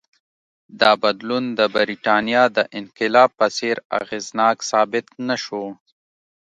دا بدلون د برېټانیا د انقلاب په څېر اغېزناک ثابت نه شو.